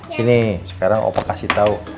sini sekarang opo kasih tau